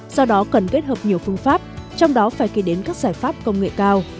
do đó cần kết hợp nhiều phương pháp trong đó phải kể đến các giải pháp công nghệ cao